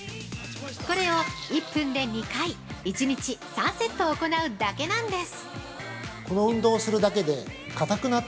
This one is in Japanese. これを１分で２回１日３セット行うだけなんです。